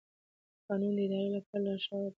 قانون د ادارې لپاره لارښود دی.